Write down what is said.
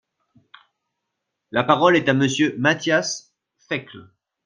La parole est à Monsieur Matthias Fekl.